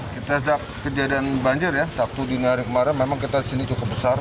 kita sejak kejadian banjir ya sabtu dini hari kemarin memang kita di sini cukup besar